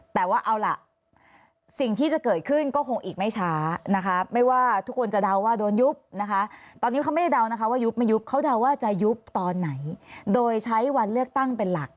แต่ว่าเอาล่ะสิ่งที่จะเกิดขึ้นก็คงอีกไม่ช้านะคะไม่ว่าทุกคนจะเดาว่าโดนยุบนะคะตอนนี้เขาไม่ได้เดานะคะว่ายุบไม่ยุบเขาเดาว่าจะยุบตอนไหนโดยใช้วันเลือกตั้งเป็นหลัก